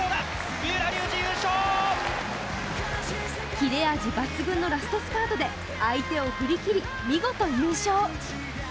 キレ味抜群のラストスパートで相手を振りきり見事、優勝。